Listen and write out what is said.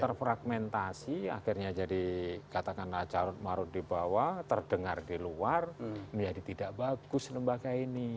terfragmentasi akhirnya jadi katakanlah carut marut di bawah terdengar di luar menjadi tidak bagus lembaga ini